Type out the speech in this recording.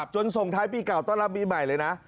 ส่งท้ายปีเก่าต้อนรับปีใหม่เลยนะ